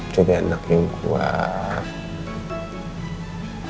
jadi anak yang kuat